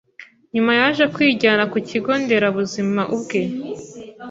Nyuma yaje kwijyana ku kigo Nderabuzima ubwe